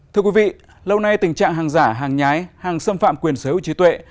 thưa quý vị lâu nay tình trạng hàng giả hàng nhái hàng xâm phạm quyền sở hữu trí tuệ